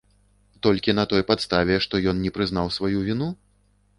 Толькі на той падставе, што ён не прызнаў сваю віну?